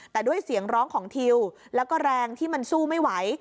แต่ด้วยเสียงร้องของทิวแล้วก็แรงที่มันสู้ไม่ไหว